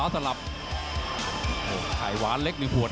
ปลายยกไข่หวานเล็กหมด